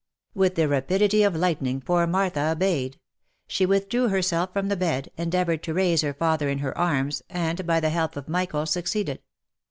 With the rapidity of lightning poor Martha obeyed. She with drew herself from the bed, endeavoured to raise her father in her arms, and, by the help of Michael, succeeded.